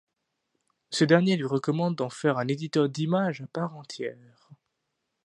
Ce dernier lui recommande d'en faire un éditeur d'images à part entière.